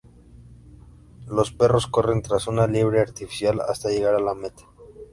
Los perros corren tras una liebre artificial hasta llegar a la meta.